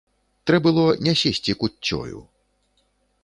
Трэ было не сесці куццёю.